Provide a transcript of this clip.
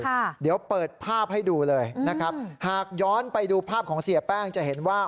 ค่ะเดี๋ยวเปิดภาพให้ดูเลยนะครับหากย้อนไปดูภาพของเสียแป้งจะเห็นว่า